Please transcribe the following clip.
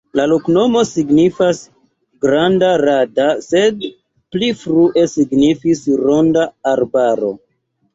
La loknomo signifas: granda-rada, sed pli frue signifis ronda arbaro.